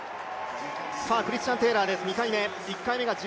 クリスチャン・テイラーの２回目。